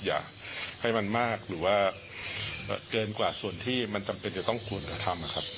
อย่าให้มันมากหรือว่าเกินกว่าส่วนที่มันจำเป็นจะต้องควรจะทำนะครับ